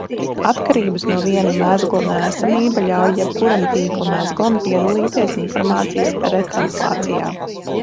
Atkarības no viena mezgla neesamība ļauj jebkuram tīkla mezglam piedalīties informācijas retranslācijā.